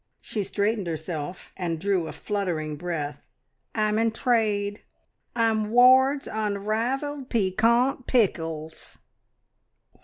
She straightened herself and drew a fluttering breath. "I'm in trade! I'm Ward's Unrivalled Piquant Pickles!"